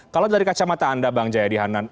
kalau dari kacamata anda bang jaya dihanan